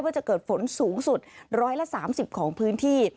จะเกิดฝนสูงสุด๑๓๐ของพื้นที่